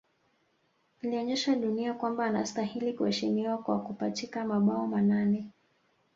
Alionyesha dunia kwamba anastahili kuheshimiwa kwa kupachika mabao manane